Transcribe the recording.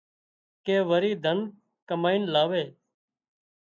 ڪي وري ڌن ڪامئينَ لاوي